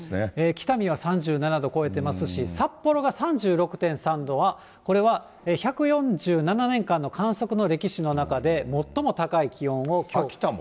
北見は３７度超えてますし、札幌が３６．３度は、これは１４７年間の観測の歴史の中で、最も高い気温を、きょう。